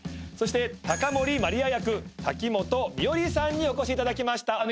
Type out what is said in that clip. そして高森麻里亜役瀧本美織さんにお越しいただきました。